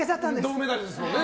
銅メダルですもんね。